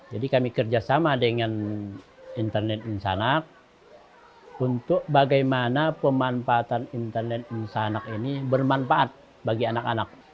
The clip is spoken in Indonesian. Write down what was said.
jadi kami kerjasama dengan internet insanak untuk bagaimana pemanfaatan internet insanak ini bermanfaat bagi anak anak